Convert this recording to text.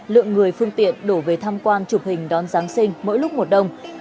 lượng người phương tiện đổ về tham quan chụp hình đón giáng sinh mỗi lúc một đông